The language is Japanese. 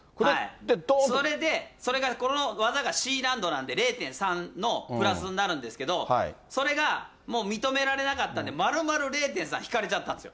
それで、それがこの技がＣ難度なんで、０．３のプラスになるんですけど、それがもう認められなかったんで、まるまる０．３引かれちゃったんですよ。